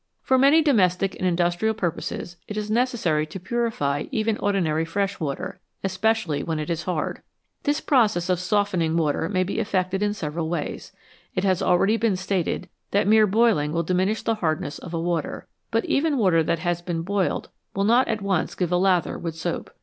For many domestic and industrial purposes it is necessary to purify even ordinary fresh water, especially when it is hard. This process of "softening" water may be effected in several ways. It has already been stated that mere boiling will diminish the hardness of a water, but even water that has been boiled will not 102 NATURAL WATERS at once give a lather with soap.